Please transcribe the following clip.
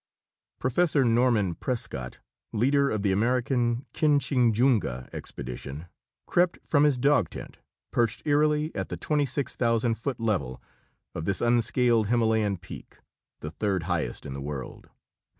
] Prof. Norman Prescott, leader of the American Kinchinjunga expedition, crept from his dog tent perched eerily at the 26,000 foot level of this unscaled Himalayan peak, the third highest in the world.